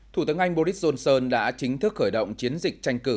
thủ tướng anh boris johnson đã chính thức khởi động chiến dịch tranh cử